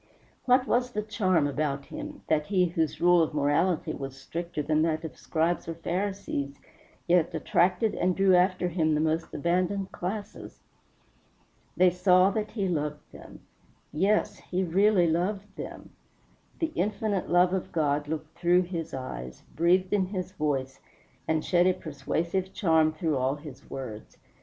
What was the charm about him, that he whose rule of morality was stricter than that of Scribes or Pharisees yet attracted and drew after him the most abandoned classes? They saw that he loved them. Yes, he really loved them. The infinite love of God looked through his eyes, breathed in his voice, and shed a persuasive charm through all his words.